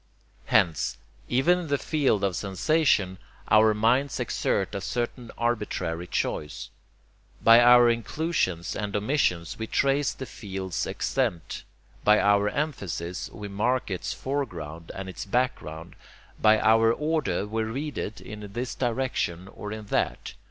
Hence, even in the field of sensation, our minds exert a certain arbitrary choice. By our inclusions and omissions we trace the field's extent; by our emphasis we mark its foreground and its background; by our order we read it in this direction or in that.